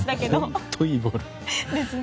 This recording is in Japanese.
本当いいボール。